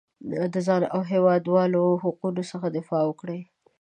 د ځان او هېوادوالو حقونو څخه دفاع وکړي.